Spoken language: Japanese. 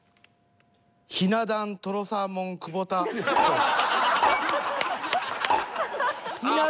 ひな壇とろサーモン久保田ポーズ。